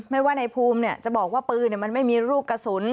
ไม่ว่าในภูมิจะบอกว่าปืนมันไม่มีลูกกระสุน